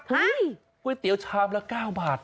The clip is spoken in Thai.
เฮ้ยก๋วยเตี๋ยวชามละ๙บาท